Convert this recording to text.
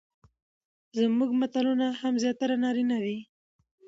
زموږ متلونه هم زياتره نارينه دي،